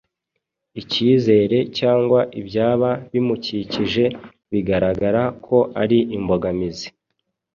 icyizere cyangwa ibyaba bimukikije bigaragara ko ari imbogamizi.